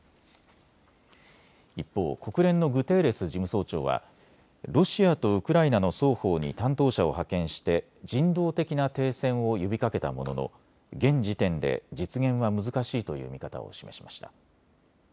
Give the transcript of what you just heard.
一方、国連のグテーレス事務総長はロシアとウクライナの双方に担当者を派遣して人道的な停戦を呼びかけたものの現時点で実現は難しいという見方を示しました。